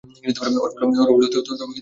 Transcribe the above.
ওরা বলল, তবে কি তুমিই ইউসুফ?